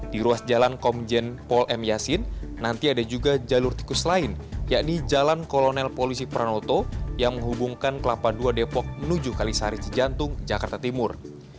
di ruas jalan komjen pol m yasin nanti ada juga jalur tikus lain yakni jalan kolonel polisi pranoto yang menghubungkan kelapa dua depok menuju kalisari cijantung jakarta timur